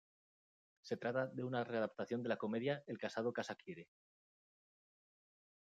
Se trata de una readaptación de la comedia "El casado casa quiere".